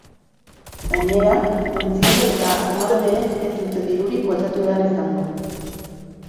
Gainera, ontziolek eta armadoreek ez dute dirurik bueltatu behar izango.